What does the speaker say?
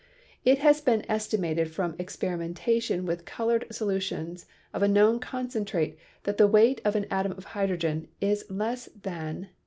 It has been estimated from experimentation with colored so lutions of a known concentration that the weight of an atom of hydrogen is less than 0.